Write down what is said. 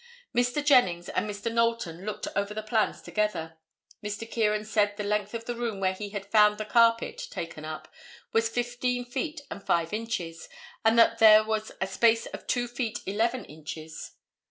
Mr. Jennings and Mr. Knowlton looked over the plans together. Mr. Kieran said the length of the room where he had found the carpet taken up was fifteen feet and five inches, and that there was a space of two feet eleven inches.